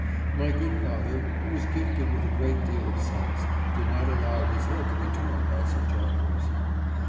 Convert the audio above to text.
My good father, who was gifted with a great deal of sense, did not allow his head to be turned by such offers.